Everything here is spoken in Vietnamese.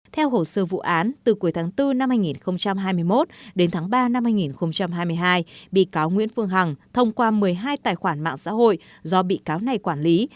theo hồ sơ vụ án từ cuối tháng bốn năm hai nghìn hai mươi một đến tháng ba năm hai nghìn hai mươi hai bị cáo nguyễn phương hằng thông qua một mươi hai tài khoản mạng xã hội do bị cáo này quản lý